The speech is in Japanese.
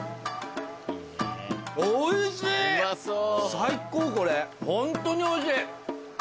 最高これホントにおいしい。